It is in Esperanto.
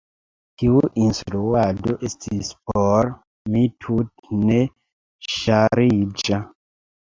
Tiu instruado estis por mi tute ne ŝarĝa.